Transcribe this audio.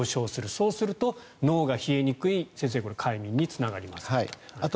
そうすると脳が冷えにくい先生、快眠につながりませんと。